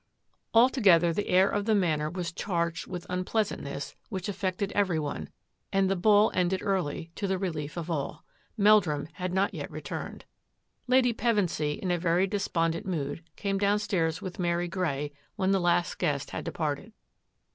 19 Altogether the air of the Manor was charged with unpleasantness which affected every one, and the ball ended early, to the relief of all. Meldrum had not yet returned. Lady Pevensy, in a very despondent mood, came downstairs with Mary Grey when the last guest had departed.